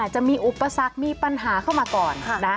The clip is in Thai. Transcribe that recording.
จะมีอุปสรรคมีปัญหาเข้ามาก่อน